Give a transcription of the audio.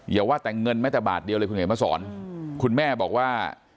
อย่าว่าแต่เงินแม้แต่บาทเดียวเลยคุณเห็นมาสอนคุณแม่บอกว่า